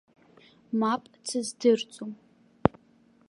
Мап дсыздырӡом.